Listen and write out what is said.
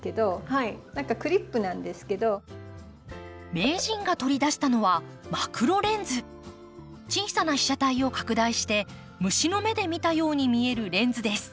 名人が取り出したのは小さな被写体を拡大して虫の目で見たように見えるレンズです。